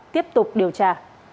tiếp tục điều tra